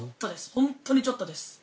本当に、ちょっとです。